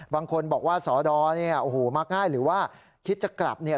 บางคนบอกว่าสอดอเนี่ยโอ้โหมาง่ายหรือว่าคิดจะกลับเนี่ย